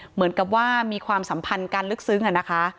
เหมือนกับว่ามีความสัมพันธ์กันลึกซึ้งอะนะคะ